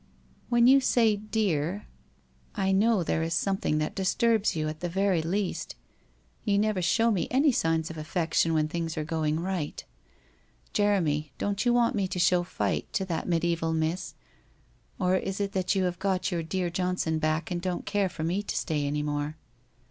'When you say, dear, I know there is something that disturbs you, at the very least. You never show me any signs of affection when things are going right. Jeremy, don't you want me to show fight to that mediaeval miss, or is it that you have got your dear Johnson back and don't care for me to stay any more?